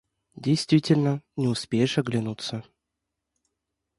Действительно, не успеешь оглянуться